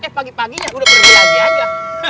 eh pagi paginya udah pergi aja aja